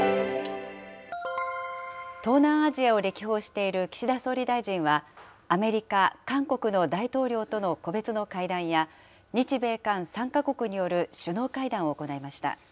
東南アジアを歴訪している岸田総理大臣は、アメリカ、韓国の大統領との個別の会談や、日米韓３か国による首脳会談を行いました。